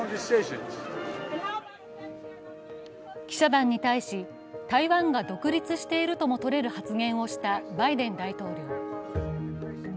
記者団に対し、台湾が独立しているともとれる発言をしたバイデン大統領。